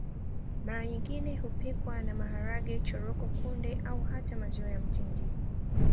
Mara nyingine hupikwa na maharage choroko kunde au hata maziwa ya mtindi